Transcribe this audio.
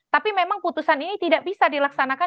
tapi memang putusan ini tidak bisa dilaksanakan